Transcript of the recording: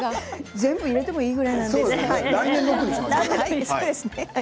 全部入れてもいいぐらいですよね。